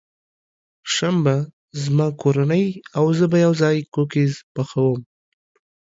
شنبه، زما کورنۍ او زه به یوځای کوکیز پخوم.